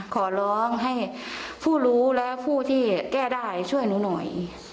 ขอร้องให้ผู้รู้และผู้ที่แก้ได้ช่วยหนูหน่อย